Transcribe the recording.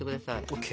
ＯＫ！